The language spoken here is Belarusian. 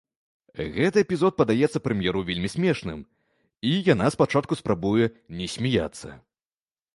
Гэты эпізод падаецца прэм'еру вельмі смешным, і яна спачатку спрабуе не смяяцца.